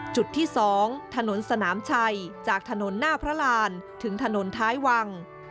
จุดที่๒ถนนสนามชัยจากถนนหน้าพระรานถึงถนนท้ายวัง